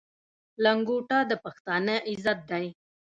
لنګوټه د پښتانه عزت دی.